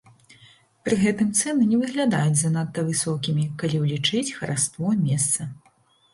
Пры гэтым цэны не выглядаюць занадта высокімі, калі ўлічыць хараство месца.